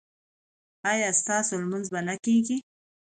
ایا ستاسو لمونځ به نه کیږي؟